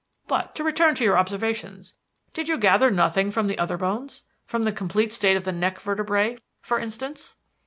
But to return to your observations: did you gather nothing from the other bones? From the complete state of the neck vertebrae for instance?"